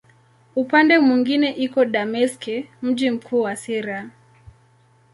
Upande mwingine iko Dameski, mji mkuu wa Syria.